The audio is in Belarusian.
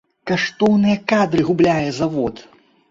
Каштоўныя кадры губляе завод!